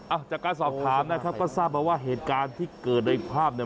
จากการสอบถามนะครับก็ทราบมาว่าเหตุการณ์ที่เกิดในภาพเนี่ย